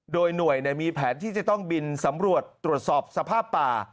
โดยหน่วยมีแผนที่จะต้องบินสำรวจตรวจสอบสภาพป่า